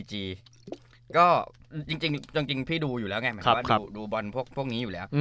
จริงพี่ดูอยู่แล้วไงดูบอลพวกนี้อยู่แล้ว